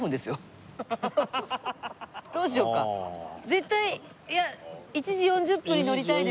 絶対いや１時４０分に乗りたいです。